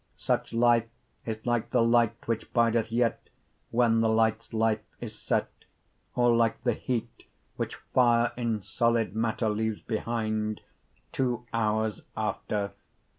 Such life is like the light which bideth yet When the lights life is set, Or like the heat, which fire in solid matter 15 Leaves behinde, two houres after.